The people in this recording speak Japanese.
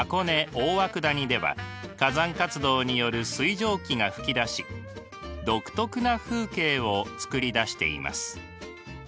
大涌谷では火山活動による水蒸気が噴き出し独特な風景をつくりだしています。